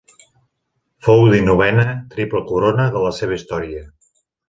Fou dinovena Triple Corona de la seva història.